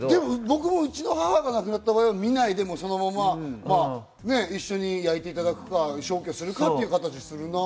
僕も母が亡くなった場合は見ないでそのまま一緒に焼いていただくか、消去するかという形にするな。